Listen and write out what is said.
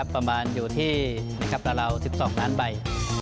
ประมาณอยู่ที่ราว๑๒ล้านใบ